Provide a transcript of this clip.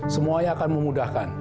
semuanya akan memudahkan